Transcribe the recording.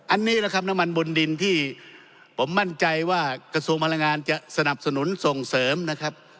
อันนี้แหละครับน้ำมันบนดินที่ผมมั่นใจว่ากระทรวงพลังงานจะสนับสนุนส่งเสริมนะครับ